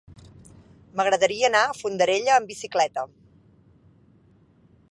M'agradaria anar a Fondarella amb bicicleta.